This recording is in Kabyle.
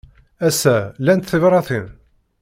Ass-a, llant tebṛatin?